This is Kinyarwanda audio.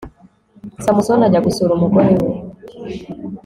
samusoni ajya gusura umugore we